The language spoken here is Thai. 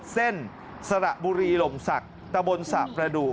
สระบุรีหล่มศักดิ์ตะบนสระประดูก